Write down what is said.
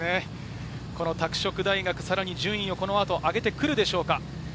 拓殖大、さらに順位をこの後、上げてくるでしょうか。